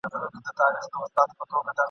ورته پېښه ناروغي سوله د سترګو !.